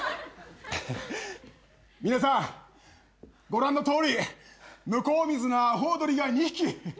皆さんご覧のとおり向こう見ずなアホウドリが２匹。